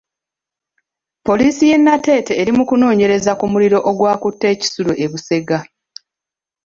Poliisi y'e Nateete eri mu kunoonyereza ku muliro ogwakutte e kisulo e Busega.